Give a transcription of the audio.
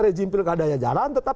rezim pil kadalnya jalan tetap